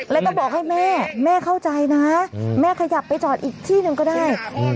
แล้วต้องบอกให้แม่แม่เข้าใจน่ะอืมแม่ขยับไปจอดอีกที่นึงก็ได้อืม